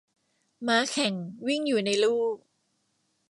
ม้าแข่ง วิ่งอยู่ในลู่